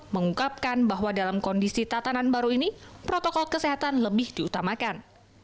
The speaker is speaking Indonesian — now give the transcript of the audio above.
mengungkapkan bahwa dalam kondisi tatanan baru ini protokol kesehatan lebih diutamakan